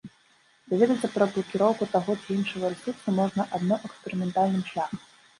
Даведацца пра блакіроўку таго ці іншага рэсурсу можна адно эксперыментальным шляхам.